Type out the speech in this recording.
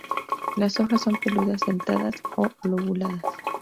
Las hojas son peludas dentadas o lobuladas.